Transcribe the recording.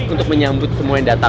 untuk menyambut semua yang datang